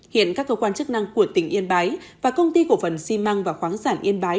hiện các cơ quan chức năng của tỉnh yên bái và công ty cổ phần xi măng và khoáng sản yên bái